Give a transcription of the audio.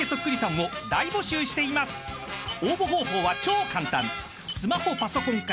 ［応募方法は超簡単］